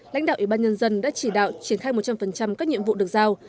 lãnh đạo ủy ban nhân dân đã chỉ đạo triển khai một trăm linh các nhiệm vụ được giao